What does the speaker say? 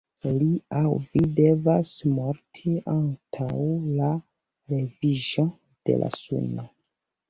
Li aŭ vi devas morti antaŭ la leviĝo de la suno.